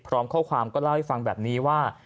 พร้อมข้อความก็เล่าให้ฟังแบบนี้ว่า